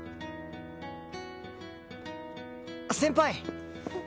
先輩！